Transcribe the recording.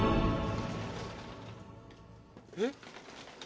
えっ？